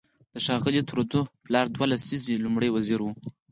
د ښاغلي ترودو پلار دوه لسیزې لومړی وزیر و.